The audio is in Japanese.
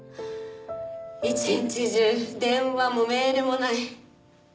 一日中電話もメールもない。